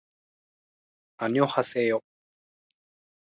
あにょはせよ